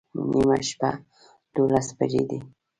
نیمه شپه دوولس بجې دي